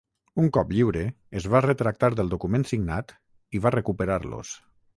Un cop lliure, es va retractar del document signat i va recuperar-los.